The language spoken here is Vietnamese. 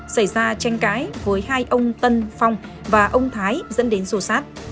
xảy ra tranh cãi với hai ông tân phong và ông thái dẫn đến rô sát